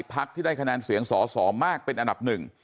พักที่ได้คะแนนเสียงสอสอมากเป็นอันดับหนึ่ง